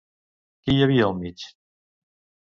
Qui hi havia al mig?